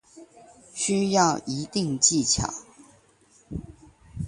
需要一定技巧